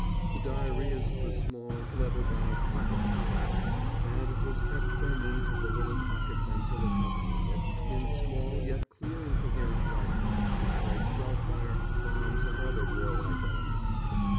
The diary is of the small, leather bound pocket variety, and it was kept by means of the little pocket pencil accompanying it, in small, yet clear and coherent writing, despite shell fire, bombs and other warlike elements.